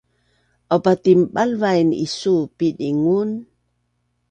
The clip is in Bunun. aupa tinbalvain isuu piding un